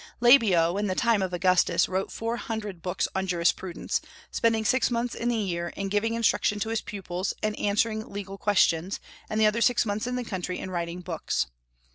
Labeo, in the time of Augustus, wrote four hundred books on jurisprudence, spending six months in the year in giving instruction to his pupils and in answering legal questions, and the other six months in the country in writing books.